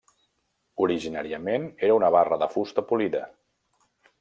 Originàriament era una barra de fusta polida.